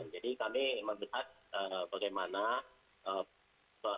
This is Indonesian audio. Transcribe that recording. jadi kami memperhat bagaimana